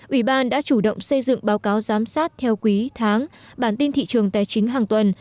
ủy ban đã chủ động xây dựng báo cáo giám sát theo quý tháng bản tin thị trường tài chính hàng tuần